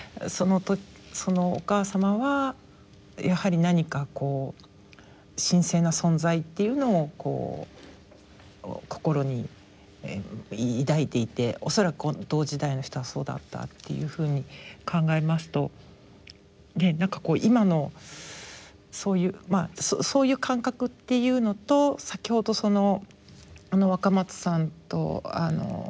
そのお母様はやはり何かこう神聖な存在というのを心に抱いていて恐らく同時代の人はそうだったっていうふうに考えますとねえ何かこう今のそういう感覚っていうのと先ほど若松さんと櫻井さんがおっしゃったそのね